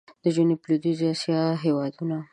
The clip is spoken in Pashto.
د جنوب لوېدیځي اسیا هېوادونه